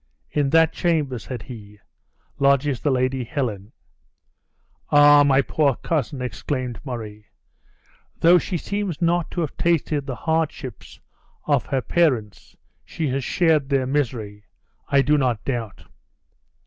"In that chamber," said he, "lodges the Lady Helen." "Ah, my poor cousin," exclaimed Murray; "though she seems not to have tasted the hardships of her parents, she has shared their misery, I do not doubt."